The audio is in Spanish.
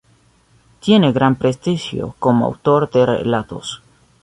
Tiene gran prestigio como autor de relatos.